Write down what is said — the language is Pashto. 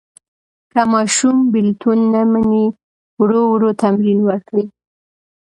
که ماشوم بېلتون نه مني، ورو ورو تمرین ورکړئ.